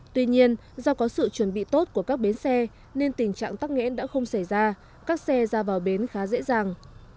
tuy nhiên do có sự chuẩn bị tốt của các bến xe nên tình trạng tắc nghẽn đã không xảy ra các xe ra vào bến khá dễ dàng